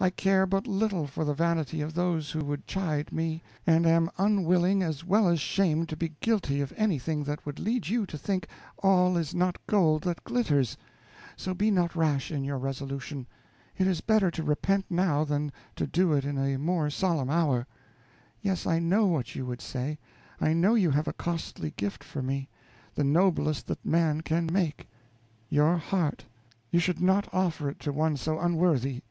I care but little for the vanity of those who would chide me, and am unwilling as well as shamed to be guilty of anything that would lead you to think 'all is not gold that glitters'; so be not rash in your resolution. It is better to repent now than to do it in a more solemn hour. Yes, I know what you would say. I know you have a costly gift for me the noblest that man can make your heart! you should not offer it to one so unworthy.